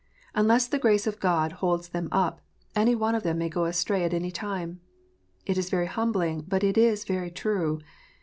Unless the grace of God holds them up, any one of them may go astray at any time. It is very humbling, but it is very true.